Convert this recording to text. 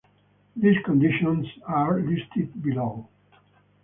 These conditions are listed below.